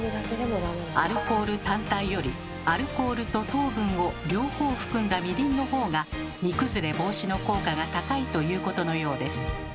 アルコール単体よりアルコールと糖分を両方含んだみりんのほうが煮崩れ防止の効果が高いということのようです。